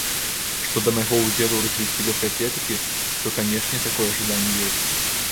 Што да майго ўдзелу ў развіцці лёгкай атлетыкі, то, канечне, такое жаданне ёсць.